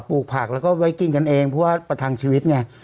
ลูกผักแล้วก็ไว้กินกันเองเพราะว่าประทังชีวิตไง